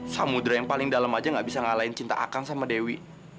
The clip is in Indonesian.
samudera yang paling dalam aja gak bisa ngalahin cinta akan sama dewi